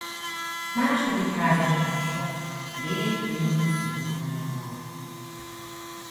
Második házastársa Vég Ilona Szidónia volt.